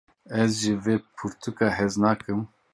Ez ji vê pirtûkê hez nakim.